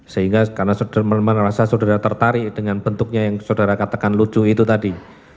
sehingga karena merasa saudara tertarik dengan bentuknya yang saudara katakan lucu itu tadi